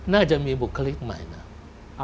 น่าจะมีบุคลิกใหม่นะ